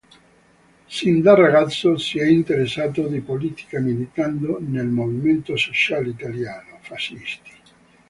Sin da ragazzo si è interessato di politica militando nel Movimento Sociale Italiano.